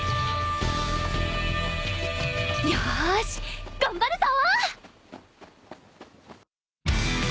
よーし頑張るぞ！